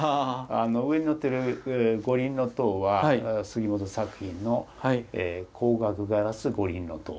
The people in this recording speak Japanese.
上にのってる五輪塔は杉本作品の光学ガラス五輪塔。